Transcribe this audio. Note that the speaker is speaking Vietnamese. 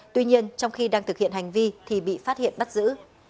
tuy nhiên trong khi đang thực hiện hành vi thì bị phát hiện bắt giữ